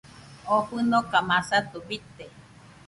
Oo fɨnoka masato bite.